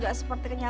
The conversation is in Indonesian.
gua ngerjain dia